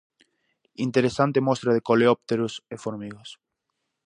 Interesante mostra de coleópteros e formigas.